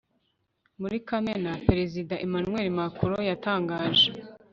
muri kamena, perezida emmanuel macron yatangaje